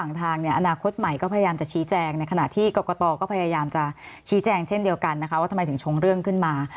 ทางเนี่ยอนาคตใหม่ก็พยายามจะชี้แจงในขณะที่กรกตก็พยายามจะชี้แจงเช่นเดียวกันนะคะว่าทำไมถึงชงเรื่องขึ้นมา